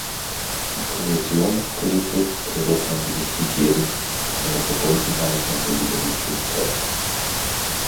Die Kohäsionspolitik hat Europa ein Gesicht gegeben, das seine Verbundenheit und Solidarität zeigt.